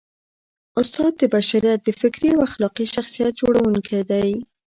استاد د بشریت د فکري او اخلاقي شخصیت جوړوونکی دی.